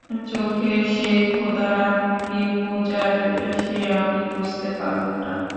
চোখে সে ক্ষুধার আগুন কি পূজার সে আমি বুঝতে পারলুম না।